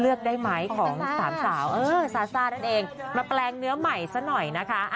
เลือกได้ไหมของสามสาวเออซาซ่านั่นเองมาแปลงเนื้อใหม่ซะหน่อยนะคะ